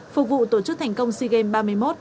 phục vụ tổ chức thành công si game ba mươi một